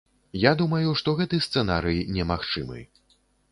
Я думаю, што гэты сцэнарый немагчымы.